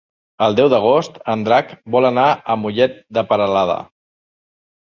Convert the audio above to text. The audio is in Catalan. El deu d'agost en Drac vol anar a Mollet de Peralada.